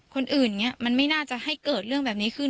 อย่างนี้มันไม่น่าจะให้เกิดเรื่องแบบนี้ขึ้น